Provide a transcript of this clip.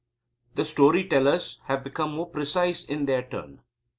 The story tellers have become more precise in their turn.